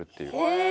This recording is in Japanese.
へえ。